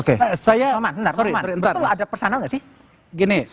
kebetulan ada pesanan gak sih